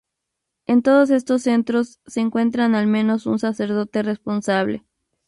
En todos estos centros, se encuentra al menos un sacerdote responsable.